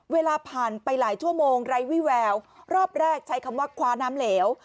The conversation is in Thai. เวลาผ่านไปหลายชั่วโมงไร้วิแววรอบแรกใช้คำว่าคว้าน้ำเหลว